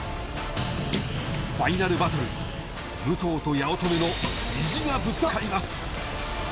ファイナルバトル、武藤と八乙女の意地がぶつかります。